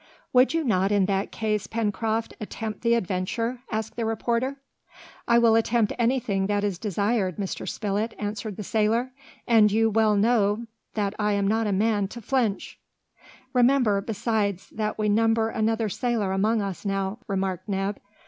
"Would you not, in that case, Pencroft, attempt the adventure?" asked the reporter. "I will attempt anything that is desired, Mr. Spilett," answered the sailor, "and you know well that I am not a man to flinch!" "Remember, besides, that we number another sailor amongst us now," remarked Neb.